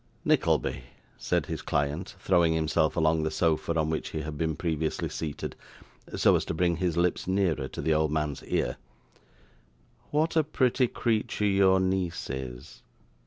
'Nickleby,' said his client, throwing himself along the sofa on which he had been previously seated, so as to bring his lips nearer to the old man's ear, 'what a pretty creature your niece is!